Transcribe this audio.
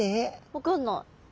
分かんない。